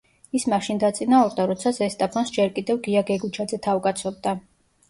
ის მაშინ დაწინაურდა, როცა „ზესტაფონს“ ჯერ კიდევ გია გეგუჩაძე თავკაცობდა.